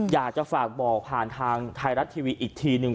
อยากจะฝากบอกผ่านทางไทยรัฐทีวีอีกทีนึง